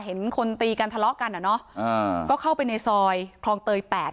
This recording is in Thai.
เห็นคนตีกันทะเลาะกันอ่ะเนอะอ่าก็เข้าไปในซอยคลองเตยแปด